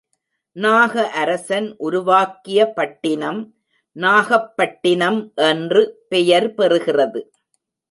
நாக அரசன் உருவாக்கிய பட்டினம் நாகப்பட்டினம் என்று பெயர் பெறுகிறது.